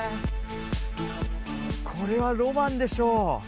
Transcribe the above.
これはロマンでしょ！